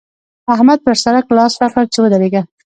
احمد پر سړک لاس راکړ چې ودرېږه!